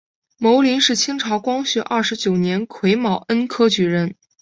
牟琳是清朝光绪二十九年癸卯恩科举人。